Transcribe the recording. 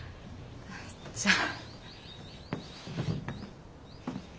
じゃあ。